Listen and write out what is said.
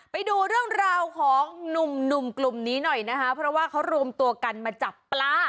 ไปดูเรื่องราวของหนุ่มหนุ่มกลุ่มนี้หน่อยนะคะเพราะว่าเขารวมตัวกันมาจับปลา